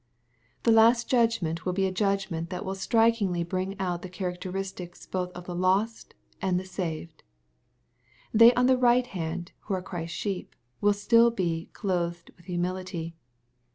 The last judgment will be a judgment that wiU strikingly bring out the characters both of the lost and saved. They on the right hand, who are Christ's sheep, will still be " clothed with humility."